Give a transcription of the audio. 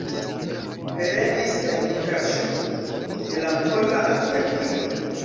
Pereis en kraŝo de la pola aviadilo.